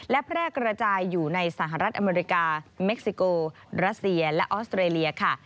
และแพร่กระจายอยู่ในสหรัฐอเมริกาเม็กซิโกรัสเซียและออสเตรเลียค่ะ